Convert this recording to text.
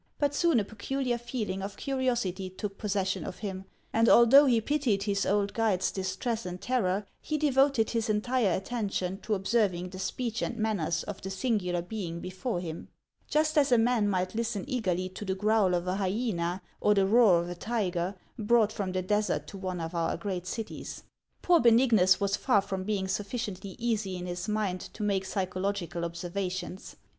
But soon a peculiar feeling of curiosity took possession of him, and although he pitied his old guide's distress and terror, he devoted his entire attention to observing the speech and manners of the singular being before him, — just as a man might listen eagerly to the growl of a hyena or the roar of a tiger, brought from the desert to one of our great cities. Poor Beuignus was far from being sufficiently easy in his mind to make psychological ob servations.